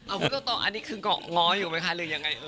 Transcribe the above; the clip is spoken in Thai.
อ้าวคุณก็ต้องอันนี้คือก็ง้ออยู่ไหมคะหรือยังไง